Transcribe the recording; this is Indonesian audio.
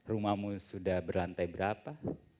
rumahmu sudah berlantai berapa